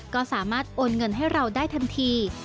ก็สามารถโอนเงินให้เราได้ทันที